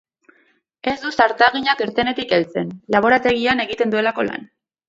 Ez du zartagina kirtenetik heltzen, laborategian egiten duelako lan.